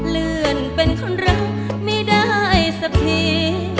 เลื่อนเป็นคนรักไม่ได้สักที